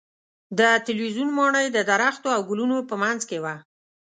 د تلویزیون ماڼۍ د درختو او ګلونو په منځ کې وه.